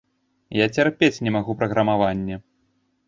Я цярпець не магу праграмаванне.